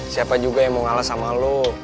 siapa juga yang mau ngalah sama lo